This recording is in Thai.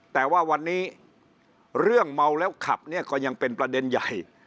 แต่ว่าวันนี้เรื่องเมาแล้วขับเนี่ยก็ยังเป็นประเด็นใหญ่